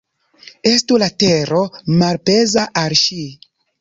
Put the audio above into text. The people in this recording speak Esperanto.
Estu la tero malpeza al ŝi.